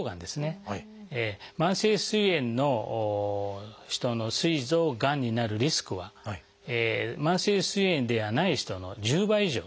慢性すい炎の人のすい臓がんになるリスクは慢性すい炎ではない人の１０倍以上と。